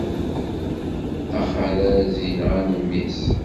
Axeṛṛaz inɣan mmi-s.